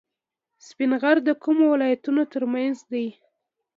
سپین غر د کومو ولایتونو ترمنځ دی؟